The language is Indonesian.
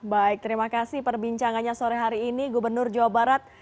baik terima kasih perbincangannya sore hari ini gubernur jawa barat